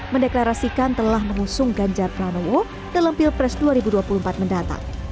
mendeklarasikan telah mengusung ganjar pranowo dalam pilpres dua ribu dua puluh empat mendatang